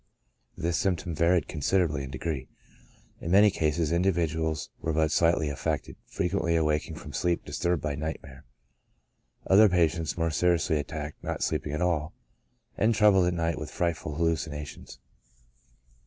This symptom varied considerably in degree ; in many cases, individuals v^ere but slightly affected, fre quently awaking from sleep disturbed by nightmare; other patients, more seriously attacked, not sleeping at all, and troubled all night vv^ith frightful hallucinations.